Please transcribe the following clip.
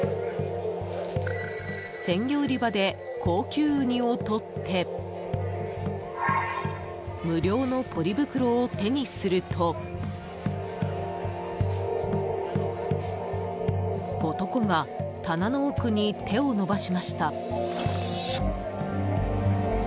鮮魚売り場で高級ウニを取って無料のポリ袋を手にすると男が棚の奥に手を伸ばしました。